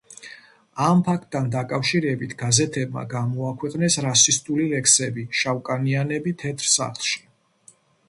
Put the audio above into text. ამ ფაქტთან დაკავშირებით გაზეთებმა გამოაქვეყნეს რასისტული ლექსები: „შავკანიანები თეთრ სახლში“.